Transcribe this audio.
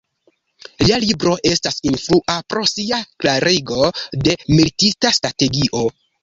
Lia libro estas influa pro sia klarigo de militista strategio.